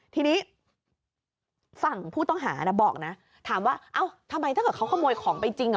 ทีนี้ฝั่งผู้ต้องหานะบอกนะถามว่าเอ้าทำไมถ้าเกิดเขาขโมยของไปจริงอ่ะ